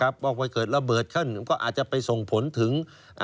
ว่าไปเกิดระเบิดขึ้นก็อาจจะไปส่งผลถึง